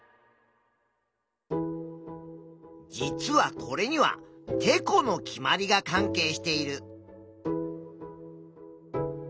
実はこれにはてこの決まりが関係している。